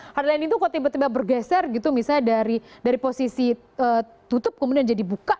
hardline itu kok tiba tiba bergeser gitu misalnya dari posisi tutup kemudian jadi buka